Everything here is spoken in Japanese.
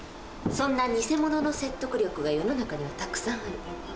そんなニセモノの説得力が世の中にはたくさんある。